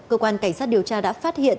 cơ quan cảnh sát điều tra đã phát hiện